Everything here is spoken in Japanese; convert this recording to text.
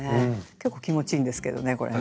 結構気持ちいいんですけどねこれね。